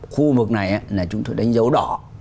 khu vực này là chúng tôi đánh dấu đỏ